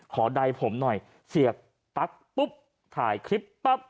ใดผมหน่อยเสียบปั๊กปุ๊บถ่ายคลิปปั๊บ